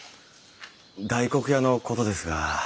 大黒屋のことですが。